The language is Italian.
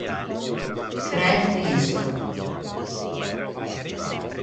Fred Vinson